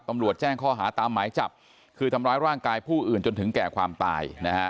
ตำรวจแจ้งข้อหาตามหมายจับคือทำร้ายร่างกายผู้อื่นจนถึงแก่ความตายนะฮะ